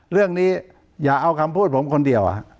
เรื่องนี้อย่าเอาคำพูดผมคนเดียวไว้